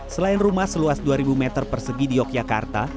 selain rumah seluas dua ribu meter persegi di yogyakarta